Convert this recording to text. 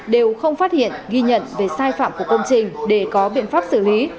đều không phát hiện ghi nhận về sai phạm của công trình để có biện pháp xử lý